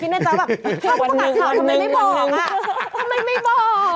ทำไมไม่บอก